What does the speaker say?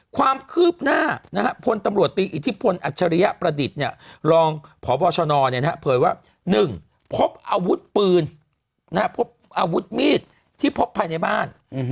ความคืบหน้าพลตำรวจตีอิทธิพลอัจฉริยประดิษฐ์รองพบชนเผยว่า๑พบอาวุธปืนพบอาวุธมีดที่พบภายในบ้าน